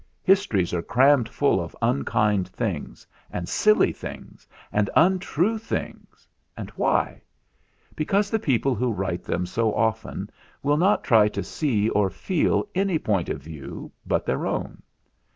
Histories are crammed full THE ZAGABOG'S STORY 153 of unkind things, and silly things, and untrue things why? Because the people who write them so often will not try to see or feel any Point of View but their own.